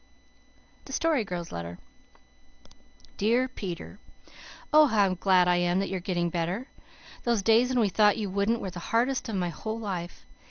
THE STORY GIRL'S LETTER "DEAR PETER: Oh, how glad I am that you are getting better! Those days when we thought you wouldn't were the hardest of my whole life.